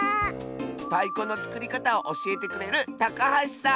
たいこのつくりかたをおしえてくれるたかはしさん！